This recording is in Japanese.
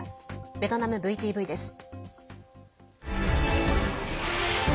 ベトナムＶＴＶです。